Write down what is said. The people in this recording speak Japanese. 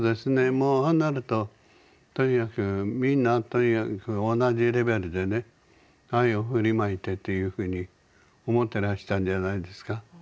もうああなるととにかくみんな同じレベルでね愛を振りまいてっていうふうに思ってらしたんじゃないですか。